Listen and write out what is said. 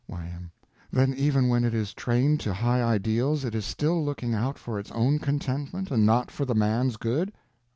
Y.M. Then even when it is trained to high ideals it is still looking out for its own contentment, and not for the man's good.